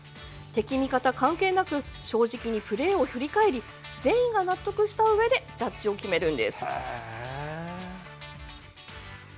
敵味方関係なく正直にプレーを振り返り全員が納得したうえでジャッジを決めるんです。